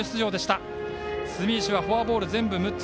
住石はフォアボール、６つ。